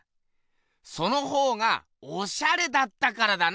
そのほうがオシャレだったからだな！